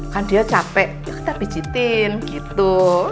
kan dia capek ya kita bijetin gitu